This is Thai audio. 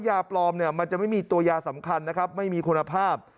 ยาปลอมเนี่ยมันจะไม่มีตัวยาสำคัญนะครับไม่มีคุณภาพ